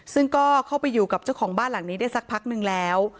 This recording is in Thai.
ซึ่งก็เข้าไปอยู่กับเจ้าของบ้านหลังนี้ได้สักพักนึงแล้ว